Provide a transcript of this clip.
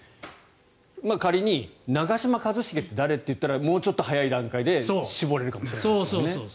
仮に長嶋一茂って誰？って聞いたらもうちょっと早い段階で絞れるかもしれないですよね。